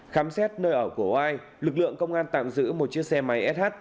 khám xét nơi ở của oai lực lượng công an tạm giữ một chiếc xe máy sh